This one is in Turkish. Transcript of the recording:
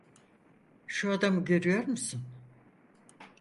Şu adamı görüyor musun?